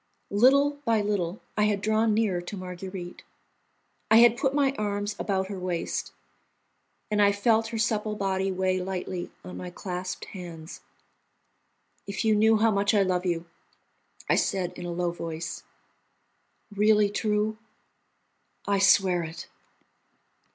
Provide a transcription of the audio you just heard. Little by little I had drawn nearer to Marguerite. I had put my arms about her waist, and I felt her supple body weigh lightly on my clasped hands. "If you knew how much I love you!" I said in a low voice. "Really true?" "I swear it."